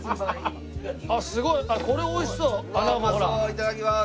いただきます！